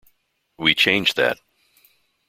We changed that.